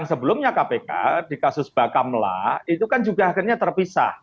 sebelumnya kpk dikasus bakamlah itu kan juga akhirnya terpisah